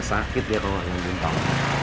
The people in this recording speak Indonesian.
sakit dia kalau ngomongin pak